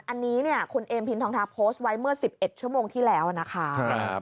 อันนี้เนี่ยคุณเอมพินทองทาโพสต์ไว้เมื่อ๑๑ชั่วโมงที่แล้วนะคะ